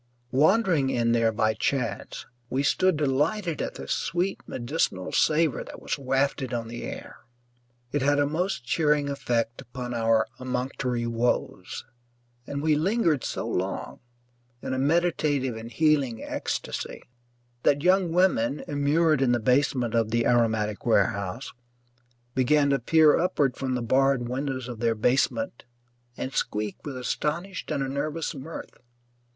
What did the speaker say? Wandering in there by chance, we stood delighted at the sweet medicinal savour that was wafted on the air. It had a most cheering effect upon our emunctory woes, and we lingered so long, in a meditative and healing ecstasy, that young women immured in the basement of the aromatic warehouse began to peer upward from the barred windows of their basement and squeak with astonished and nervous mirth.